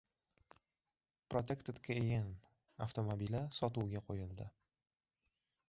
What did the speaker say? "Protected Cayenne" avtomobili sotuvga qo‘yildi